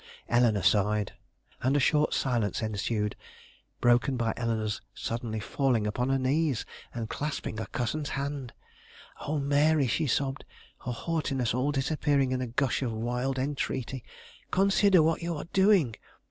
Eleanore sighed, and a short silence ensued, broken by Eleanore's suddenly falling upon her knees, and clasping her cousin's hand. "Oh, Mary," she sobbed, her haughtiness all disappearing in a gush of wild entreaty, "consider what you are doing!